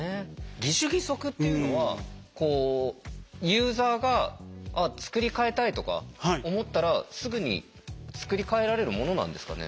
義手義足っていうのはこうユーザーが作り替えたいとか思ったらすぐに作り替えられるものなんですかね？